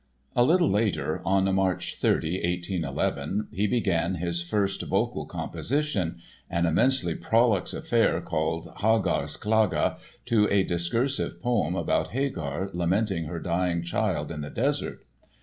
A little later, on March 30, 1811, he began his first vocal composition, an immensely prolix affair called Hagars Klage to a discursive poem about Hagar lamenting her dying child in the desert.